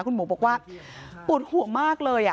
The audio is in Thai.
คุณหมูบอกว่าปวดห่วงมากเลย